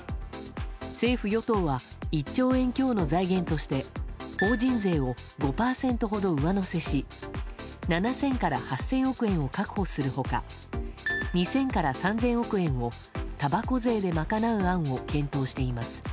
政府・与党は１兆円強の財源として法人税を５％ほど上乗せし７０００から８０００億円を確保する他２０００から３０００億円をたばこ税で賄う案を検討しています。